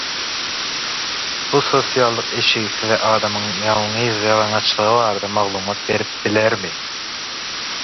Bu sosiallyk eşigi size adamynyň ýalňyz ýalaňaçlygy barada maglumat berip bilermi?